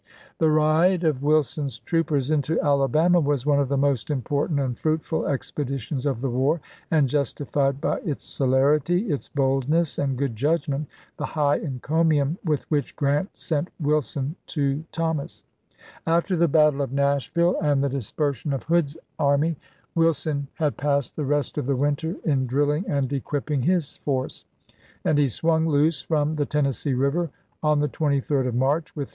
The ride of Wilson's troopers into Alabama was one of the most important and fruitful expeditions of the war, and justified by its celerity, its boldness, and good judgment the high encomium with which Grant sent Wilson to Thomas. After the battle of Nashville and the dispersion of Hood's army, Wil JOHNSTON'S SURRENDER 239 son had passed the rest of the winter in drilling chap, xil and equipping his force ; and he swung loose from the Tennessee River on the 23d of March, with lses.